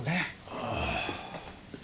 ああ！